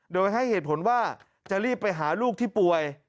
โดยให้เหตุผลว่าจะรีบไปหาลูกที่ป่วย